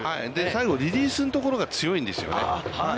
最後リリースのところが強いんですよね。